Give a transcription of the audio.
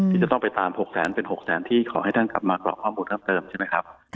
ที่จะต้องไปตาม๖แสนเป็น๖แสนที่ขอให้ท่านกลับมากรอกข้อมูลเพิ่มเติมใช่ไหมครับ